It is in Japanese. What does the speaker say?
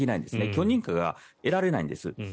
許認可が得られないんです。